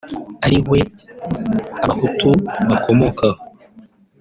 ariwe Abahutu bakomokaho